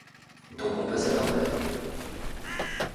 Donc on passe à Norbert.